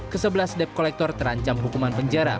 kesebelas dep kolektor terancam hukuman penjara